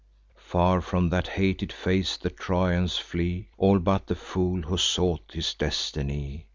Far from that hated face the Trojans fly, All but the fool who sought his destiny.